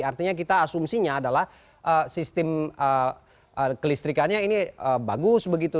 artinya kita asumsinya adalah sistem kelistrikannya ini bagus begitu